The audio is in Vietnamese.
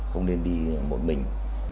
không nên đi một mình